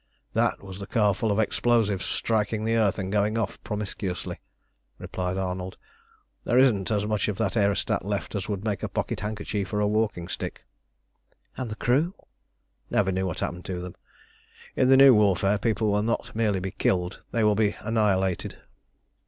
"That was the car full of explosives striking the earth and going off promiscuously," replied Arnold. "There isn't as much of that aerostat left as would make a pocket handkerchief or a walking stick." "And the crew?" "Never knew what happened to them. In the new warfare people will not be merely killed, they will be annihilated."